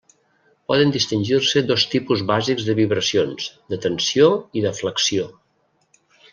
Poden distingir-se dos tipus bàsics de vibracions: de tensió i de flexió.